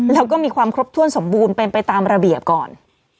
และมีความครบถ้วนสมบูรณ์ไปตามระเบียบก่อน